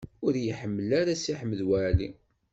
Ur iyi-ḥemmel ara Si Ḥmed Waɛli.